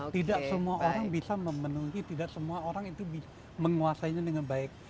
tidak semua orang bisa memenuhi tidak semua orang itu bisa menguasainya dengan baik